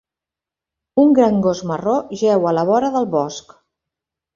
Un gran gos marró jeu a la vora del bosc.